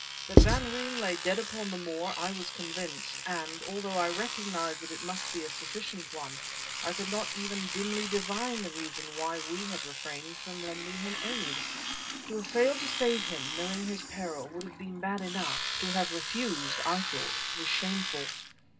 That Van Roon lay dead upon the moor I was convinced; and although I recognized that it must be a sufficient one I could not even dimly divine the reason why we had refrained from lending him aid. To have failed to save him, knowing his peril, would have been bad enough; to have refused, I thought was shameful.